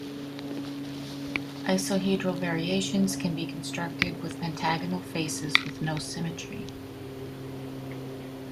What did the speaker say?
Isohedral variations can be constructed with pentagonal faces with no symmetry.